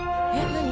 何？